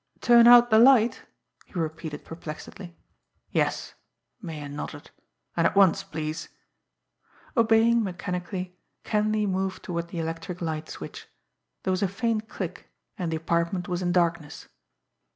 "Turn out the light?" he repeated perplexedly. "Yes," Meighan nodded. "And at once, please." Obeying mechanically, Kenleigh moved toward the electric light switch. There was a faint click, and the apartment was in darkness.